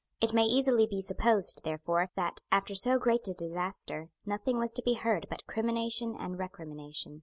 It may easily be supposed, therefore, that, after so great a disaster, nothing was to be heard but crimination and recrimination.